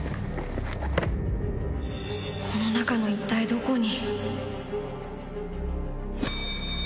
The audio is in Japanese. この中の一体どこに？